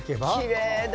きれいだ。